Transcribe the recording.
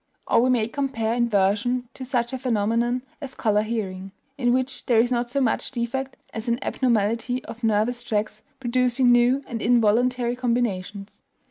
Or we may compare inversion to such a phenomenon as color hearing, in which there is not so much defect as an abnormality of nervous tracks producing new and involuntary combinations.